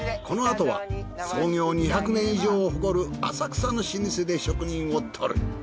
このあとは創業２００年以上を誇る浅草の老舗で職人を撮る。